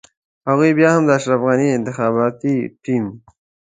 هغوی بيا هم د اشرف غني انتخاباتي ټيم.